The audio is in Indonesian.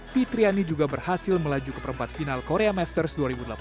fitriani juga berhasil melaju ke perempat final korea masters dua ribu delapan belas